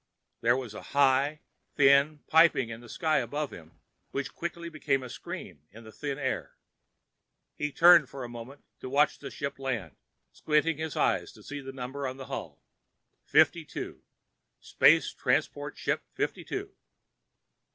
There was a high, thin piping in the sky above him which quickly became a scream in the thin air. He turned for a moment to watch the ship land, squinting his eyes to see the number on the hull. Fifty two. Space Transport Ship Fifty two.